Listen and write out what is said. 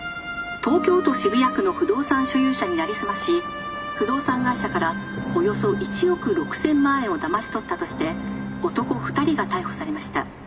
東京都渋谷区の不動産所有者になりすまし不動産会社からおよそ１億６，０００万円をだまし取ったとして男二人が逮捕されました。